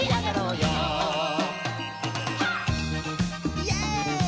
イエイ！